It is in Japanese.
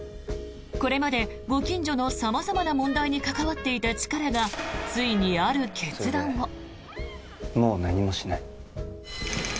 これまでご近所の様々な問題に関わっていたチカラがついに、ある決断を。